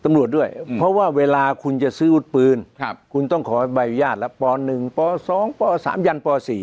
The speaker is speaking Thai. ด้วยเพราะว่าเวลาคุณจะซื้อวุฒิปืนคุณต้องขอใบอนุญาตแล้วป๑ป๒ป๓ยันป๔